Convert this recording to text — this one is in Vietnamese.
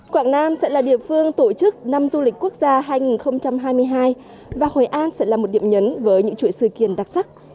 quảng nam sẽ là địa phương tổ chức năm du lịch quốc gia hai nghìn hai mươi hai và hội an sẽ là một điểm nhấn với những chuỗi sự kiện đặc sắc